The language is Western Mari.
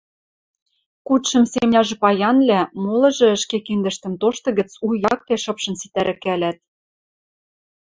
куд-шӹм семняжӹ паянвлӓ, молыжы ӹшке киндӹштӹм тошты гӹц у якте шыпшын ситӓрӹкӓлӓт.